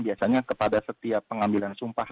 biasanya kepada setiap pengambilan sumpah